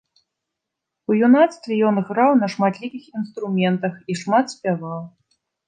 У юнацтве ён граў на шматлікіх інструментах і шмат спяваў.